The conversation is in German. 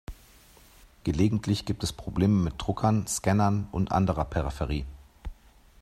Gelegentlich gibt es Probleme mit Druckern, Scannern und anderer Peripherie.